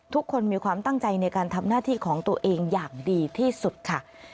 ทุกคนมีความตั้งใจในการทำหน้าที่ของตัวเองอย่างดีที่สุดค่ะ